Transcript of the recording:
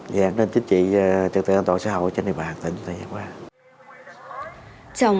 vì vậy nên chính trị trật tự an toàn xã hội